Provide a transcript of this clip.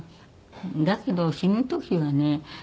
だけど死ぬ時はね